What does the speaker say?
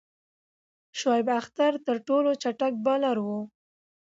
شعیب اختر تر ټولو چټک بالر وو.